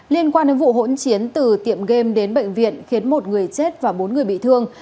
liên quan đến vụ hỗn chiến từ tiệm game đến bệnh viện khiến một người chết và bốn người bị thương